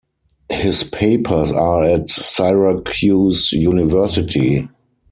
His papers are at Syracuse University.